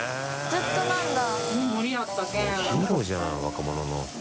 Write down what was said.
ずっとなんだ。